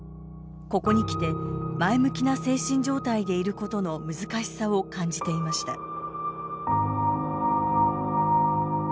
ここにきて前向きな精神状態でいることの難しさを感じていました。